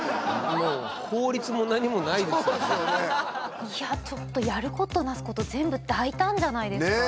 そうですよねいやちょっとやることなすこと全部大胆じゃないですか